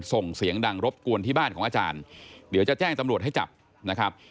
ส่งเสียงดังรบกวนที่บ้านของอาจารย์เดี๋ยวจะแจ้งตำรวจให้จับนะครับ